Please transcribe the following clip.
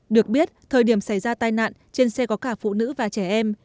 được biết thời điểm xảy ra tai nạn trên xe có cả phụ nữ và trẻ em